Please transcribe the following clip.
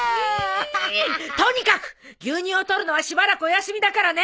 とにかく牛乳を取るのはしばらくお休みだからね！